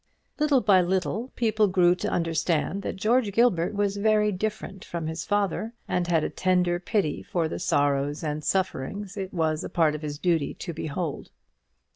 Little by little people grew to understand that George Gilbert was very different from his father, and had a tender pity for the sorrows and sufferings it was a part of his duty to behold.